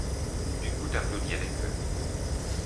Du coup t’applaudis avec eux.